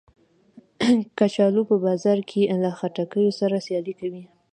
کچالو په بازار کې له خټکیو سره سیالي کوي